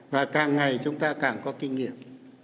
và càng ngày chúng ta càng có kinh nghiệm